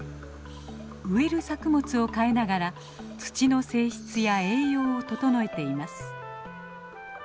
植える作物を変えながら土の性質や栄養を整えています。